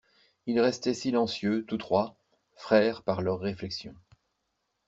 Ils restaient silencieux tous trois, frères par leurs réflexions.